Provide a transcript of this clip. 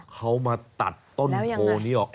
เขามาตัดต้นโพนี้ออก